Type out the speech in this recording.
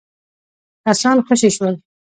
کسان خوشي کول.